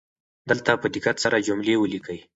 دلته په دقت سره جملې ولیکئ.